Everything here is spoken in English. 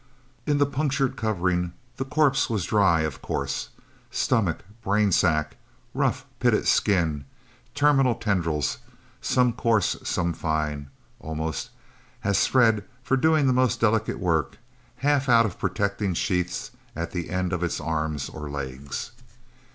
In the punctured covering, the corpse was dry, of course stomach, brain sac, rough, pitted skin, terminal tendrils some coarse, some fine, almost, as thread, for doing the most delicate work, half out of protecting sheaths at the ends of its arms or legs.